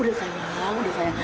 udah sayang udah sayang